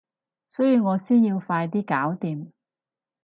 所以我先要快啲搞掂